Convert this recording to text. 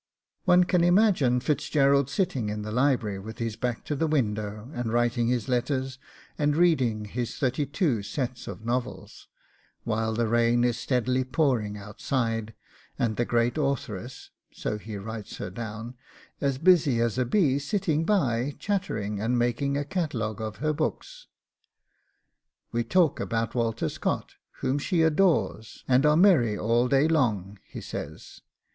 One can imagine Fitzgerald sitting in the library with his back to the window and writing his letters and reading his thirty two sets of novels, while the rain is steadily pouring outside, and the Great Authoress (so he writes her down) as busy as a bee sitting by chattering and making a catalogue of her books. 'We talk about Walter Scott, whom she adores, and are merry all day long,' he says.